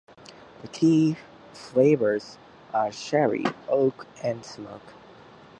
The key flavours are sherry, oak and smoke.